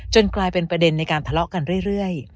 กลายเป็นประเด็นในการทะเลาะกันเรื่อย